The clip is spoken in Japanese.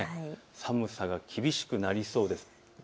寒さが厳しくなりそうです。